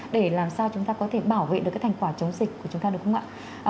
để làm sao chúng ta có thể bảo vệ được cái thành quả chống dịch của chúng ta được không ạ